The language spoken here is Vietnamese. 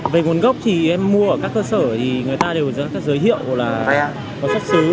về nguồn gốc thì em mua ở các cơ sở thì người ta đều dẫn các giới hiệu là có xuất xứ